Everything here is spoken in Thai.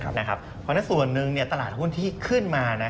เพราะฉะนั้นส่วนหนึ่งตลาดหุ้นที่ขึ้นมา